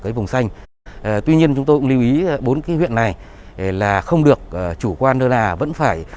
cái vùng xanh tuy nhiên chúng tôi cũng lưu ý bốn cái huyện này là không được chủ quan lơ là vẫn phải